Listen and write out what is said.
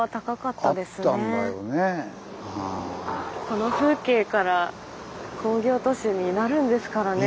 この風景から工業都市になるんですからね。